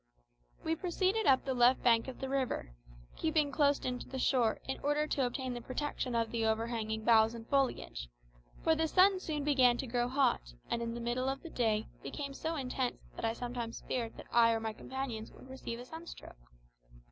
We proceeded up the left bank of the river, keeping close in to the shore in order to obtain the protection of the overhanging boughs and foliage; for the sun soon began to grow hot, and in the middle of the day became so intense that I sometimes feared that I or my companions would receive a sunstroke.